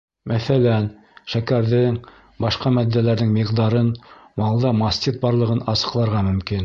Мәҫәлән, шәкәрҙең, башҡа матдәләрҙең миҡдарын, малда мастит барлығын асыҡларға мөмкин.